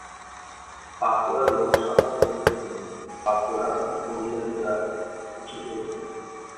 বাঁকুড়া লোকসভা কেন্দ্রটি বাঁকুড়া ও পুরুলিয়া জেলার অংশ জুড়ে বিস্তৃত।